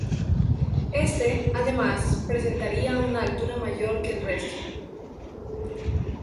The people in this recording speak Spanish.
Éste, además, presentaría una altura mayor que el resto.